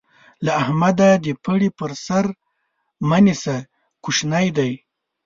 له احمده د پړي سر مه نيسه؛ کوشنی دی.